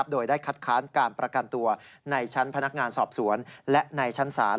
โดยได้คัดค้านการประกันตัวในชั้นพนักงานสอบสวนและในชั้นศาล